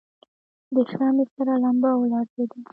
د شمعې سره لمبه ولړزېده.